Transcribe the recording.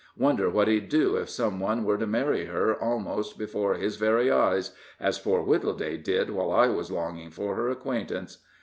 Wonder what he'd do if some one were to marry her almost before his very eyes, as poor Wittleday did while I was longing for her acquaintance?